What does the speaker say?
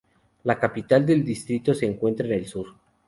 La capital del distrito se encuentra en el sur.